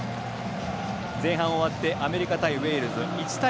前半終わってアメリカ対ウェールズ、１対０。